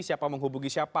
siapa menghubungi siapa